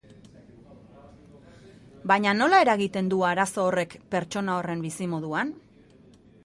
Baina nola eragiten du arazo horrek pertsona horren bizimoduan?